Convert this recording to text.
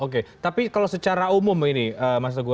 oke tapi kalau secara umum ini mas teguh